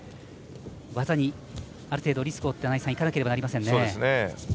技にある程度リスクを負っていかなければなりませんね。